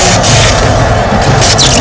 kau adalah ksatria